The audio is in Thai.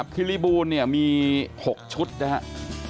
คิริบูลเนี่ยมี๖ชุดนะครับ